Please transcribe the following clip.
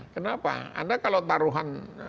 kenapa anda kalau taruhan